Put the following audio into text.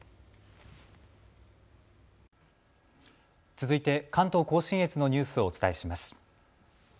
続いて関東甲信越のニュースをお伝えします。